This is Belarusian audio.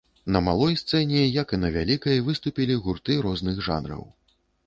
На малой сцэне, як і на вялікай, выступілі гурты розных жанраў.